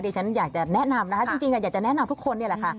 ฉันอยากจะแนะนำนะคะจริงอยากจะแนะนำทุกคนนี่แหละค่ะ